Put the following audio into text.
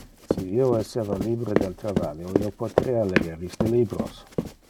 Si io esseva libere del travalio, io poterea leger iste libros.